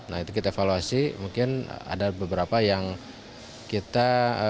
nah itu kita evaluasi mungkin ada beberapa yang kita